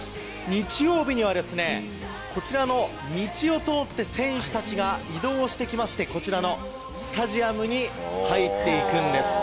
日曜日にはこちらの道を通って選手たちが移動してきましてこちらのスタジアムに入っていくんです。